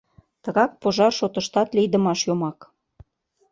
Тыгак пожар шотыштат лийдымаш йомак.